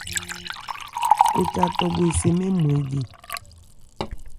Koca tᴐ bhwe se mɛ́n nman ye.